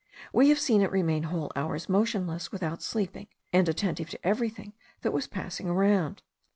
We have seen it remain whole hours motionless without sleeping, and attentive to everything that was passing around.